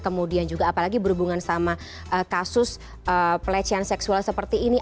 kemudian juga apalagi berhubungan sama kasus pelecehan seksual seperti ini